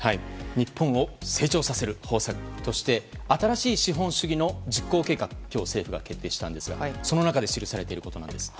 日本を成長させる方策として新しい資本主義の実行計画を今日政府が決定したんですがその中で記されていることなんです。